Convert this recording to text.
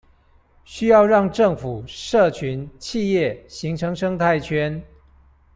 需要讓政府、社群、企業形成生態圈